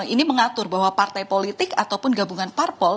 ini mengatur bahwa partai politik ataupun gabungan parpol